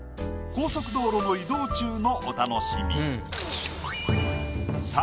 高速道路の移動中のお楽しみ。